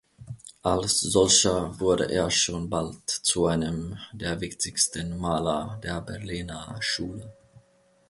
Als solcher wurde er schon bald zu einem der wichtigsten Maler der Berliner Schule.